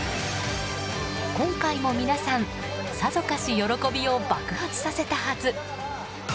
今回も皆さんさぞかし喜びを爆発させたはず。